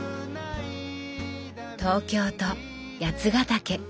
東京と八ヶ岳。